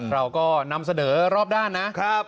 เราก็นำเสนอรอบด้านนะครับ